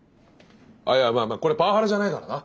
あいやいやまあこれパワハラじゃないからな。